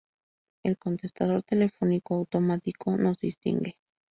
el Contestador Telefónico Automático nos distingue